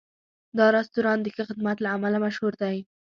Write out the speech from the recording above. دا رستورانت د ښه خدمت له امله مشهور دی.